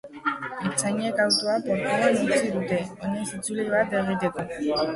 Ertzainek autoa portuan utzi dute oinez itzuli bat egiteko.